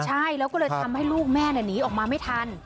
ใช่แล้วก็เลยทำให้ลูกแม่หนีออกมาไม่ทัน